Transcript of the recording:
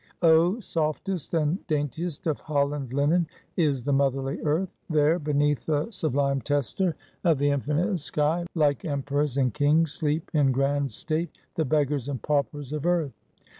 Oh, softest and daintiest of Holland linen is the motherly earth! There, beneath the sublime tester of the infinite sky, like emperors and kings, sleep, in grand state, the beggars and paupers of earth!